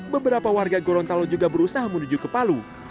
beberapa warga gorontalo juga berusaha menuju ke palu